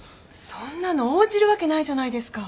そんなの応じるわけないじゃないですか。